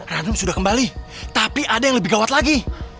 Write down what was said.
random sudah kembali tapi ada yang lebih gawat lagi